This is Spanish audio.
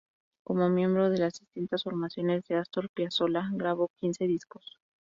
Como miembro de las distintas formaciones de Astor Piazzolla, grabó quince discos.